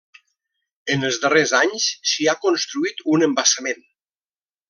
En els darrers anys s'hi ha construït un embassament.